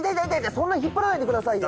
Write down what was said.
そんなに引っ張らないでくださいよ！